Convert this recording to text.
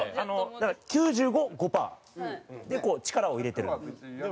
だから９５５パーでこう力を入れてる。